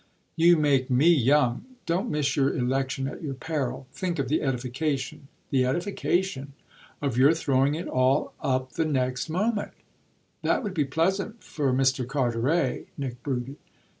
"You make me young! Don't miss your election at your peril. Think of the edification." "The edification ?" "Of your throwing it all up the next moment." "That would be pleasant for Mr. Carteret," Nick brooded.